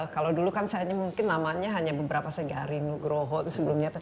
kalau dulu kan saya ini mungkin namanya hanya beberapa segari nugroho itu sebelumnya